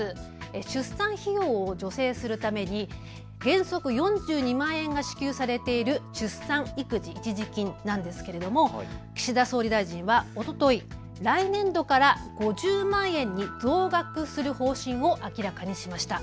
出産費用を助成するために原則４２万円が支給されている出産育児一時金なんですけども岸田総理大臣はおととい来年度から５０万円に増額する方針を明らかにしました。